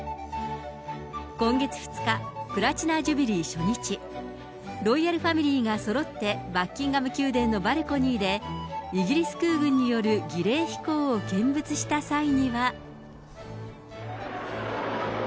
今月２日、プラチナ・ジュビリー初日、ロイヤルファミリーがそろってバッキンガム宮殿のバルコニーでイギリス空軍による儀礼飛行を見物した際には。